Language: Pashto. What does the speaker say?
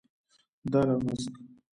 دال او نسک.